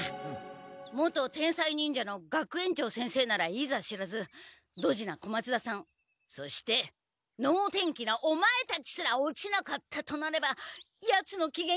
元天才忍者の学園長先生ならいざ知らずドジな小松田さんそしてのうてんきなオマエたちすら落ちなかったとなればヤツのきげんが悪くなるのは明白！